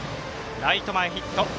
ライト前ヒット。